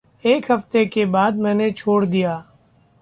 एक हफ़्ते के बाद मैंने छोड़ दिया।